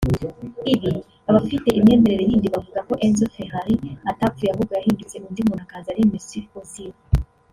Ibi abafite imyemerere yindi bavuga ko Enzo Ferrari atapfuye ahubwo yahindutse undi umuntu akaza ari Mesut Ozil